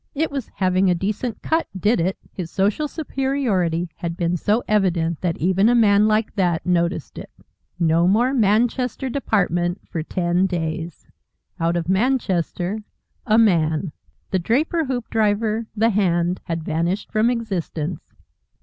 It was having a decent cut did it. His social superiority had been so evident that even a man like that noticed it. No more Manchester Department for ten days! Out of Manchester, a Man. The draper Hoopdriver, the Hand, had vanished from existence.